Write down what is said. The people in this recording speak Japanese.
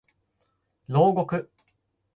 牢獄